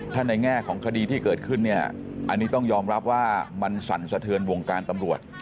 ถ้าในแง่ของคดีที่เกิดขึ้นเนี่ยอันนี้ต้องยอมรับว่ามันสั่นสะเทือนวงการตำรวจ